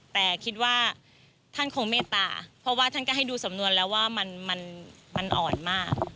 แต่คิดว่าท่านคงเมตตาเพราะว่าท่านก็ให้ดูสำนวนแล้วว่ามันอ่อนมาก